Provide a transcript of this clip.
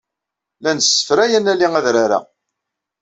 La nessefray ad naley adrar-a.